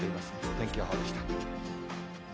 天気予報でした。